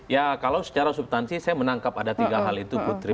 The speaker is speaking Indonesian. ya kalau secara subtansi saya menangkap ada tiga hal itu putri